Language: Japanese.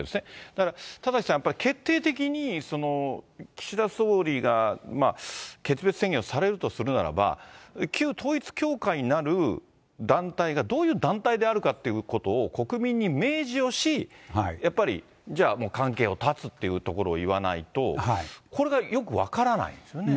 だから田崎さん、決定的に岸田総理が決別宣言をされるとするならば、旧統一教会なる団体がどういう団体であるかっていうことを国民に明示をし、やっぱりじゃあもう関係を断つというところを言わないと、これがよく分からないですよね。